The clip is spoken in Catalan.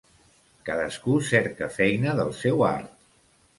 Cadascú cerca feina del seu art.